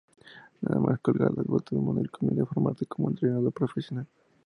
Nada más colgar las botas, Manel comienza a formarse como entrenador profesional.